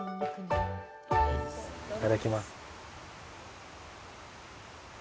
いただきます。